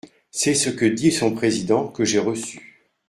C’est ce que dit son président, que j’ai reçu.